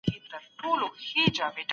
هغه د خپلو ټپيانو د ساتنې لپاره چمتو و.